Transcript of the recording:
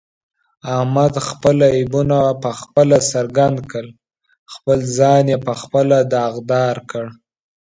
احمد خپل عیبونه په خپله څرګند کړل، خپل ځان یې په خپله داغدارکړ.